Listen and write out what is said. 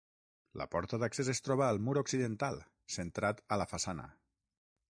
La porta d'accés es troba al mur occidental, centrat a la façana.